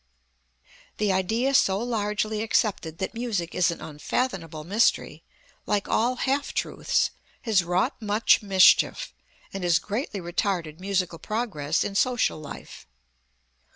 The idea so largely accepted that music is an unfathomable mystery, like all half truths has wrought much mischief, and has greatly retarded musical progress in social life.